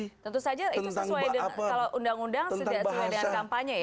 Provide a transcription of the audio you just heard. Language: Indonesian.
ya tentu saja itu sesuai dengan kalau undang undang tidak sesuai dengan kampanye ya